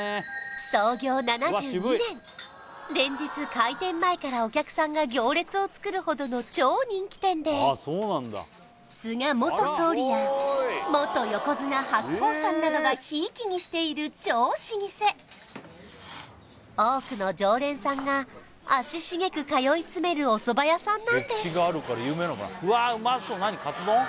連日開店前からお客さんが行列を作るほどの超人気店で菅元総理や元横綱・白鵬さんなどがひいきにしている超老舗多くの常連さんが足しげく通い詰めるおそば屋さんなんです